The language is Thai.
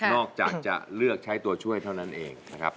อกจากจะเลือกใช้ตัวช่วยเท่านั้นเองนะครับ